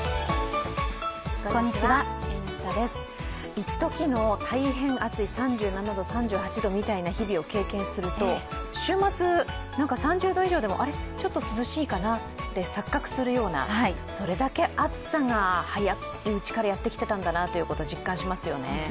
一時の大変暑い３７度、３６度というのを経験すると、週末、３０度以上でもちょっと涼しいかなって錯覚するような、それだけ暑さが早いうちからやってきてたんだなって実感しますよね。